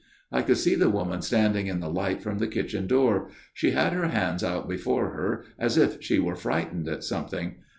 " I could see the woman standing in the light from the kitchen door ; she had her hands out before her as if she were frightened at something.